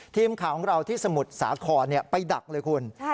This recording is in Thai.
ทีมข่าวของเราที่สมุทรสาครไปดักเลยคุณ